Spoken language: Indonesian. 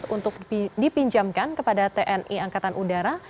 untuk dipinjamkan kepada tni angkatan udara